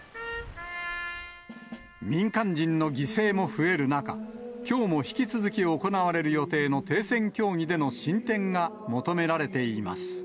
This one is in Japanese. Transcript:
民間人の犠牲も増える中、きょうも引き続き行われる予定の停戦協議での進展が求められています。